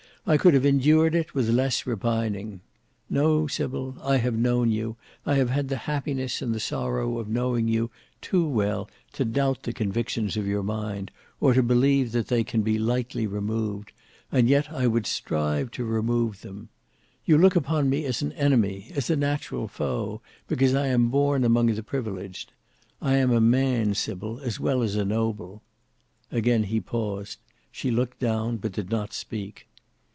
"I could have endured it with less repining. No, Sybil, I have known you, I have had the happiness and the sorrow of knowing you too well to doubt the convictions of your mind, or to believe that they can be lightly removed, and yet I would strive to remove them. You look upon me as an enemy, as a natural foe, because I am born among the privileged. I am a man, Sybil, as well as a noble." Again he paused; she looked down, but did not speak.